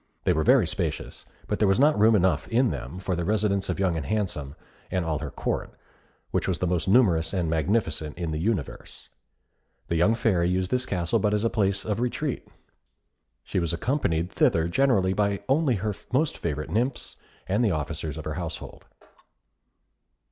They were very spacious; but there was not room enough in them for the residence of Young and Handsome, and all her Court, which was the most numerous and magnificent in the universe. The young Fairy used this castle but as a place of retreat. She was accompanied thither generally by only her most favourite nymphs and the officers of her household.